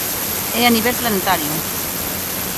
E a nivel planetario.